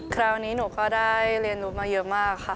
คราวนี้หนูก็ได้เรียนรู้มาเยอะมากค่ะ